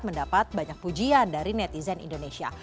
mendapat banyak pujian dari netizen indonesia